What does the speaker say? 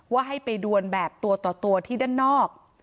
ว่าให้ไปดวนแบบตัวต่อตัวที่ด้านนอก